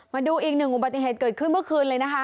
มาดูอีกหนึ่งอุบัติเหตุเกิดขึ้นเมื่อคืนเลยนะคะ